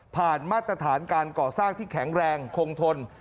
มาตรฐานการก่อสร้างที่แข็งแรงคงทน